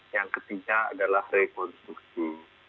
yang ketiga adalah rekonstruksi